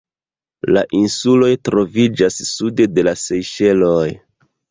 La insuloj troviĝas sude de la Sejŝeloj.